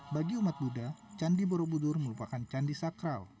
bagi umat buddha candi borobudur merupakan candi sakral